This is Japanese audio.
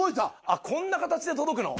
こんな形で届くの！